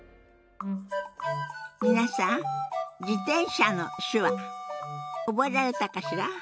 皆さん「自転車」の手話覚えられたかしら？